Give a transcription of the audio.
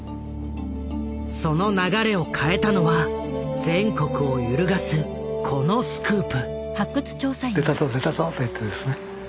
その流れを変えたのは全国を揺るがすこのスクープ。